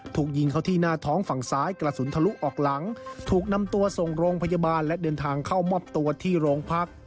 ถูกยิงเข้าที่หน้าท้องฝั่งซ้ายกระสุนทะลุออกหลัง